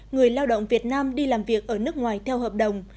người lao động việt nam đi làm việc ở nước ngoài theo hợp đồng